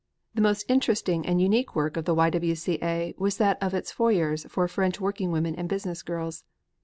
The most interesting and unique work of the Y. W. C. A. was that of its foyers for French working women and business girls.